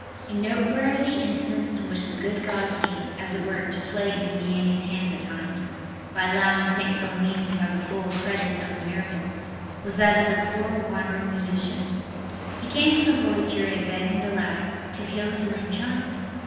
A noteworthy instance, in which the good God seemed, as it were, to play into Vianney's hands at times, by allowing St. Philomena to have the full credit of the miracle, was that of the poor wandering musician. He came to the holy cure begging the latter to heal his lame child.